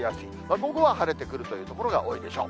午後は晴れてくるという所が多いでしょう。